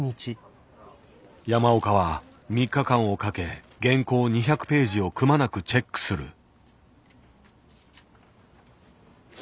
山岡は３日間をかけ原稿２００ページをくまなくチェックする。